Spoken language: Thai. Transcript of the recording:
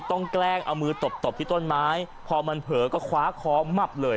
แกล้งเอามือตบตบที่ต้นไม้พอมันเผลอก็คว้าค้อมับเลย